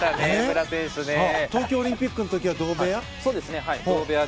東京オリンピックの時は同部屋？